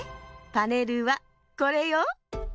パネルはこれよ。